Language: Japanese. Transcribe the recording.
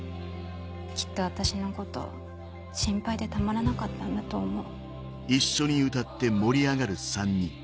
きっと私のこと心配でたまらなかったんだと思う。